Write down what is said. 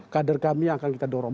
kader kami yang akan kita dorong